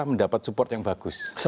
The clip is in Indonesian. mendapat support yang bagus